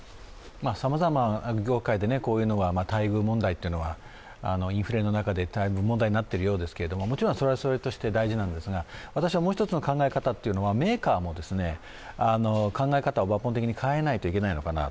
さまざま業界でこういうのは待遇問題というのはインフレの中でだいぶ問題になっているようですけれどももちろん、それはそれとして大事なんですがもう一つの考え方というのは、メーカーも考え方を抜本的に変えないといけないのかなと。